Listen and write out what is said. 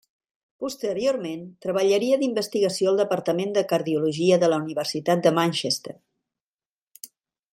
Posteriorment, treballaria d'investigació al Departament de Cardiologia de la Universitat de Manchester.